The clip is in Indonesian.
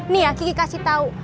nih ya kiki kasih tahu